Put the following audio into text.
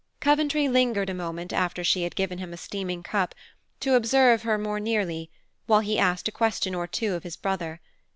Coventry lingered a moment after she had given him a steaming cup, to observe her more nearly, while he asked a question or two of his brother.